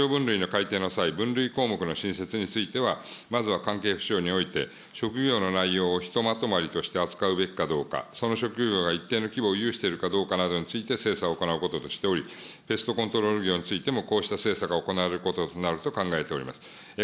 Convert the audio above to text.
職業分類の改定の際、分類項目の新設についてはまずは関係府省において、職業の内容をひとまとまりとして扱うべきかどうか、その職業が一定の規模を有しているかどうかについて、精査を行うこととしており、ペストコントロール業についても、こうした政策が行われることになると考えております。